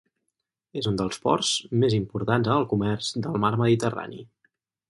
És un dels ports més importants en el comerç del mar Mediterrani.